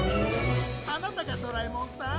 「あなたがドラえもんさん？」